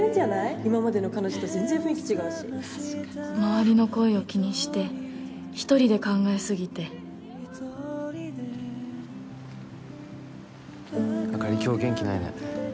今までの彼女と全然雰囲気違うし周りの声を気にして一人で考えすぎてあかり今日元気ないね